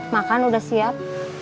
makan udah siap